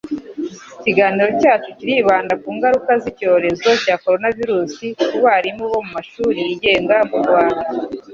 Ikiganiro cyacu kiribanda ku ngaruka z'icyorezo cya coronavirus ku barimu bo mu mashuri yigenga mu Rwanda